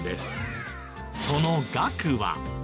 その額は。